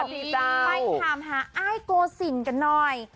ไปถามไอ้โก้สินกันบ้าง